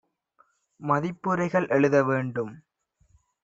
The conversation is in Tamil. மதிப்புரைகள் எழுத வேண்டும்